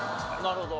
なるほど。